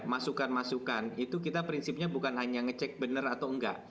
masukan masukan itu kita prinsipnya bukan hanya ngecek benar atau enggak